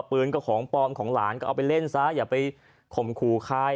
ปืนก็ของปลอมของหลานก็เอาไปเล่นซะอย่าไปข่มขู่ใคร